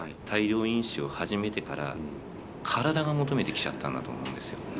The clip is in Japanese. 大量飲酒を始めてから体が求めてきちゃったんだと思うんですよ。